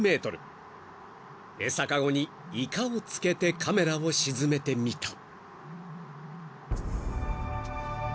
［餌かごにイカを付けてカメラを沈めてみた］